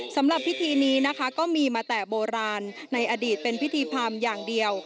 สำหรับพิธีนี้นะคะก็มีมาแต่โบราณในอดีตเป็นพิธีพรรมอย่างเดียว